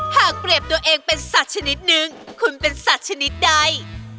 หากเปรียบตัวเองเป็นสัตว์ชนิดนึงคุณเป็นสัตว์ชนิดใด